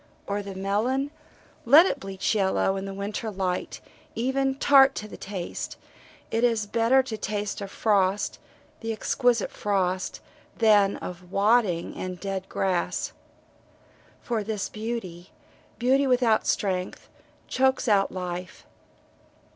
Or the melon let it bleach yellow in the winter light, even tart to the taste it is better to taste of frost the exquisite frost than of wadding and of dead grass. For this beauty, beauty without strength, chokes out life.